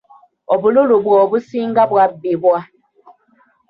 Obululu bwe obusinga bwabbibwa.